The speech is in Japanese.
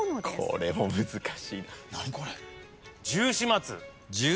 これも難しい。